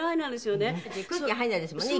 空気が入らないですもんね